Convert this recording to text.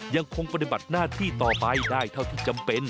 ยังคงปฏิบัติหน้าที่ต่อไปได้เท่าที่จำเป็น